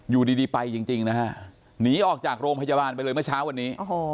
อยู่ดีไปจริงนะฮะหนีออกจากโรงพยาบาลไปเลยเมื่อเช้าวันนี้